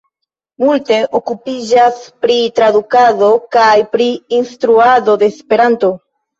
Multe okupiĝas pri tradukado kaj pri instruado de Esperanto.